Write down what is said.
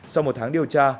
sau một tháng điều tra